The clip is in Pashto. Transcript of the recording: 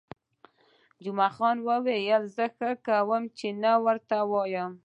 جمعه خان وویل: زه ښه کوم، چې نه ورته وایم.